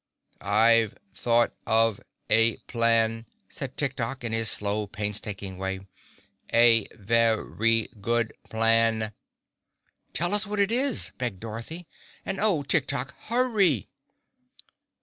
"I've thought of a plan," said Tik Tok, in his slow, painstaking way. "A ve ry good plan." "Tell us what it is," begged Dorothy. "And Oh, Tik Tok, hurry!"